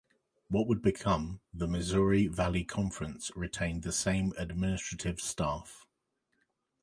What would become the Missouri Valley Conference retained the same administrative staff.